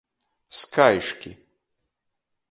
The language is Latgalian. Skaiški.